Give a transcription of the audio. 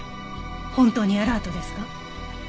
本当にアラートですか？